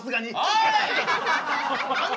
おい！